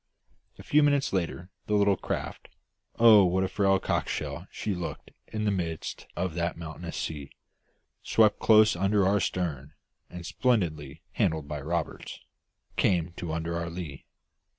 A few minutes later, the little craft oh, what a frail cockleshell she looked in the midst of that mountainous sea! swept close under our stern and, splendidly handled by Roberts, came to under our lee.